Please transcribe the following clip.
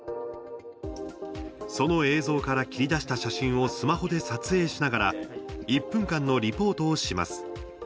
その映像から切り出した写真をスマホで撮影しながら１分間のリポートをします。